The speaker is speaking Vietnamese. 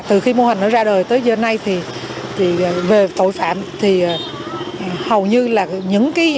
từ khi mô hình nó ra đời tới giờ nay thì về tội phạm thì hầu như là những kết quả nổi bật